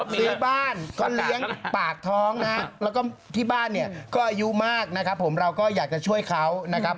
ซีบ้านก็เลี้ยงปากท้องและพี่บ้านก็อายุมากเราอยากจะช่วยเขา